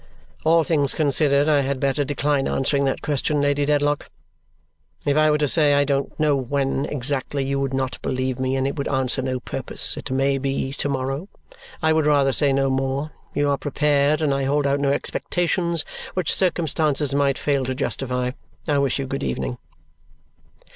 "All things considered, I had better decline answering that question, Lady Dedlock. If I were to say I don't know when, exactly, you would not believe me, and it would answer no purpose. It may be to morrow. I would rather say no more. You are prepared, and I hold out no expectations which circumstances might fail to justify. I wish you good evening."